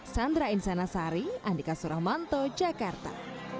sandra insanasari andika suramanto jakarta